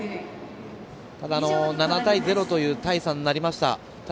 ただ、７対０という大差になりました。